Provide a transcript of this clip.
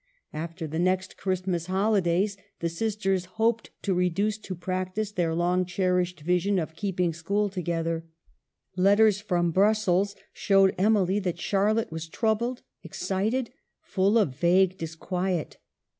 After the next Christmas holidays the sisters hoped to reduce to practice their long cherished vision of keeping school together. Letters from Brus sels showed Emily that Charlotte was troubled, excited, full of vague disquiet.